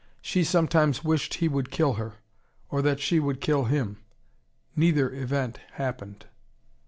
She sometimes wished he would kill her: or that she would kill him. Neither event happened.